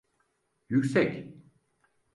Yüksek…